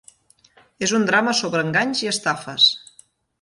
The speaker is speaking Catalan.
És un drama sobre enganys i estafes.